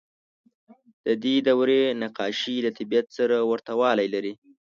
د دې دورې نقاشۍ له طبیعت سره ورته والی لري.